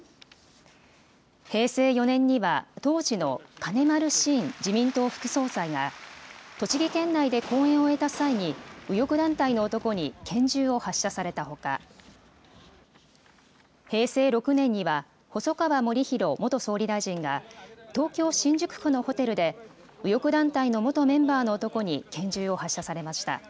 平成４年には、当時の金丸信自民党副総裁が、栃木県内で講演を終えた際に、右翼団体の男に拳銃を発射されたほか、平成６年には、細川護熙元総理大臣が、東京・新宿区のホテルで、右翼団体の元メンバーの男に拳銃を発射されました。